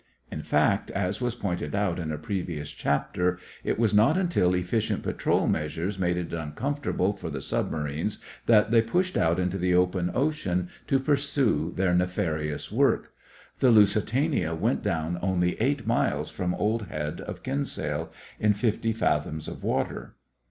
In fact, as was pointed out in a previous chapter, it was not until efficient patrol measures made it uncomfortable for the submarines that they pushed out into the open ocean to pursue their nefarious work. The Lusitania went down only eight miles from Old Head of Kinsale, in fifty fathoms of water.